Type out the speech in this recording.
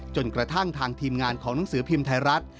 จนกระทั่งทางทีมงานของหนังสือพิมพ์ไทยรัฐ